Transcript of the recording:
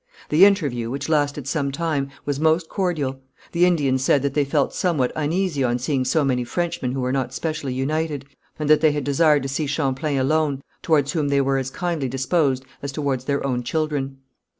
The interview, which lasted some time, was most cordial. The Indians said that they felt somewhat uneasy on seeing so many Frenchmen who were not specially united, and that they had desired to see Champlain alone, towards whom they were as kindly disposed as towards their own children.